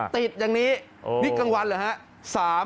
ติดอย่างนี้นี่กลางวันเหรอฮะ